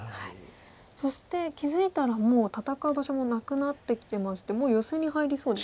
そして気付いたらもう戦う場所もなくなってきてましてもうヨセに入りそうですか。